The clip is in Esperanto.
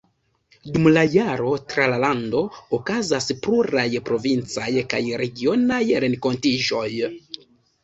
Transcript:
Dum la jaro tra la lando okazas pluraj provincaj kaj regionaj renkontiĝoj.